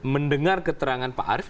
mendengar keterangan pak arief